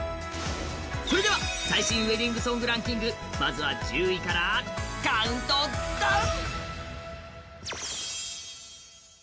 それでは最新ウエディングソングランキング、まずは１０位からカウントダウン！